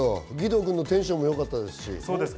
義堂くんのテンションもよかったですし。